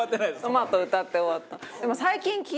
トマト歌って終わった。